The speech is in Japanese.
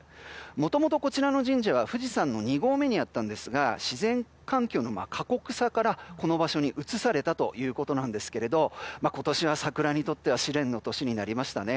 もともとこちらの神社は富士山の２合目にあったんですが自然環境の過酷さからこの場所に移されたということなんですけれど今年は桜にとっては試練の年になりましたね。